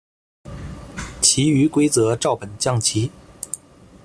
其余规则照本将棋。